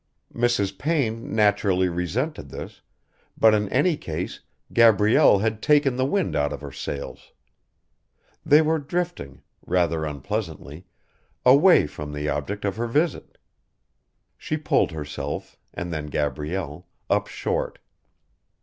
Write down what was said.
Mrs. Payne naturally resented this, but in any case Gabrielle had taken the wind out of her sails. They were drifting rather unpleasantly away from the object of her visit. She pulled herself and then Gabrielle up short.